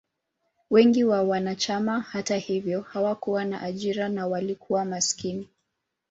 Wengi wa wanachama, hata hivyo, hawakuwa na ajira na walikuwa maskini.